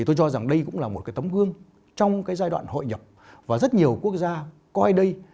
tôi cho rằng đây cũng là một cái tấm gương trong cái giai đoạn hội nhập và rất nhiều quốc gia coi đây